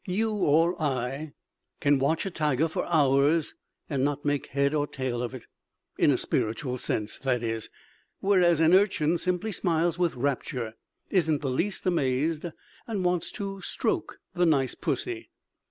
You or I can watch a tiger for hours and not make head or tail of it in a spiritual sense, that is whereas an urchin simply smiles with rapture, isn't the least amazed, and wants to stroke the "nice pussy."